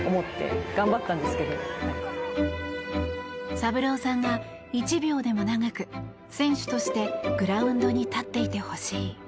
サブローさんが１秒でも長く選手としてグラウンドに立っていてほしい。